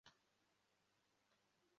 Umugore ukiri muto yicaye atwaye imodoka